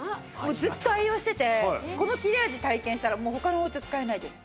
ずっと愛用しててこの切れ味体験したらもう他の包丁使えないです。